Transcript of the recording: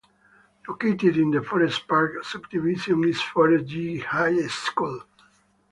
Located in the Forest Park subdivision is Forest G. Hay School.